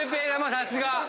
さすが。